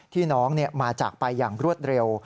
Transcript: ที่น้องมาจากไปอย่างรวดเร็ว